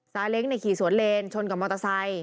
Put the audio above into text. เล้งขี่สวนเลนชนกับมอเตอร์ไซค